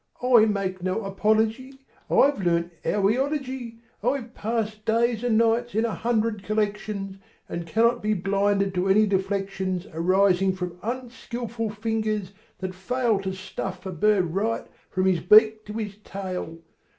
I make no apology; I've learned owl eology. I've passed days and nights in a hundred collections, And cannot be blinded to any deflections Arising from unskilful fingers that fail To stuff a bird right, from his beak to his tail.